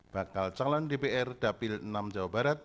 bakal calon dpr dapil enam jawa barat